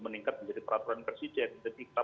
meningkat menjadi peraturan presiden jadi kita